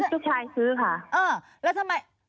ลูกชายซื้อค่ะ